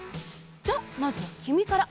じゃあまずはきみから！